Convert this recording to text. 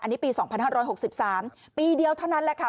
อันนี้ปี๒๕๖๓ปีเดียวเท่านั้นแหละค่ะ